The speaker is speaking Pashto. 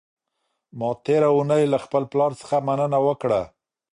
ما تېره اونۍ له خپل پلار څخه مننه وکړه.